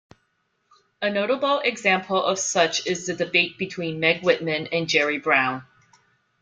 A notable example of such is the debate between Meg Whitman and Jerry Brown.